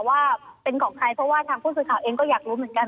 ว่าเป็นของใครเพราะว่าทางผู้สื่อข่าวเองก็อยากรู้เหมือนกัน